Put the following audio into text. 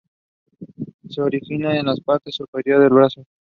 Se origina en la parte superior del brazo.